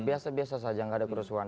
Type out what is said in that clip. biasa biasa saja nggak ada kerusuhan